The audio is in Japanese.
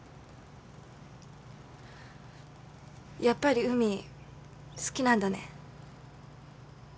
やっぱり海好きなんだね。